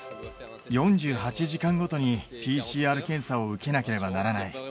４８時間ごとにＰＣＲ検査を受けなければならない。